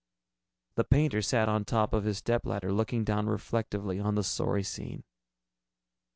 The painter sat on the top of his stepladder, looking down reflectively on the sorry scene.